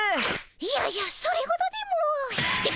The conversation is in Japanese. いやいやそれほどでもってバイト！